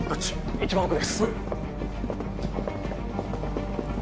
一番奥です